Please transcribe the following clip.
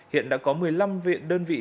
hiện đã có một mươi năm viện đơn vị